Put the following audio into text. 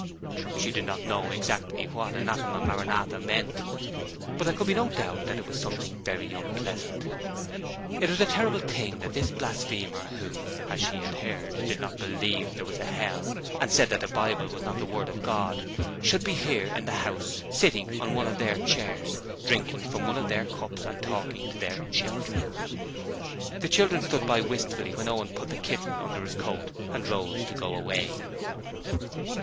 She did not know exactly what Anathema Maran atha meant, but there could be no doubt that it was something very unpleasant. It was a terrible thing that this blasphemer who as she had heard did not believe there was a Hell and said that the Bible was not the Word of God, should be here in the house sitting on one of their chairs, drinking from one of their cups, and talking to their children. The children stood by wistfully when Owen put the kitten under his coat and rose to go away.